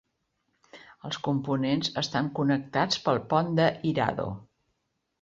Els components estan connectats pel pont de Hirado.